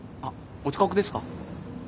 お近くですか？